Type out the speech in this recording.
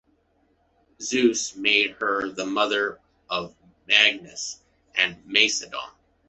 Zeus made her the mother of Magnes and Macedon.